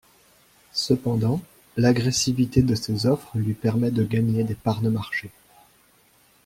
Cependant, l'agressivité de ses offres lui permet de gagner des parts de marché.